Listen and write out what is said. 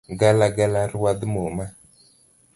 Galagala ruadh muma